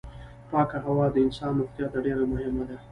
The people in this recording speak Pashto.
پاکه هوا د انسان روغتيا ته ډېره مهمه ده.